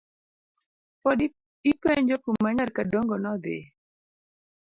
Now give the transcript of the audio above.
Pod ipenjo kuma nyar kodongo no dhie.